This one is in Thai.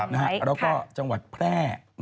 แล้วก็จังหวัดแพร่